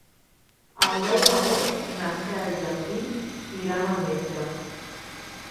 El deu d'agost na Cel i en Guim iran al metge.